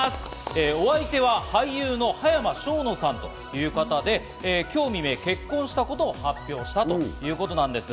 お相手は俳優の葉山奨之さんという方で、今日未明、結婚したことを発表したということなんです。